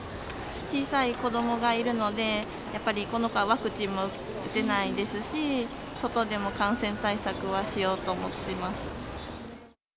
小さい子どもがいるので、やっぱりこの子はワクチンも打てないですし、外でも感染対策はしようと思ってます。